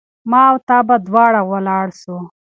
ما او تا به دواړه ولاړ سو